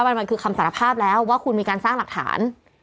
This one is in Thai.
มันคือคำสารภาพแล้วว่าคุณมีการสร้างหลักฐาน